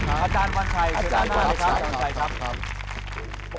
อาจารย์วันชัยเชิญหน้าเลยครับอาจารย์วันชัยครับ